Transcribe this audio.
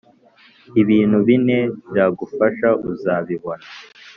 Ibintu bine byagufasha uzabibona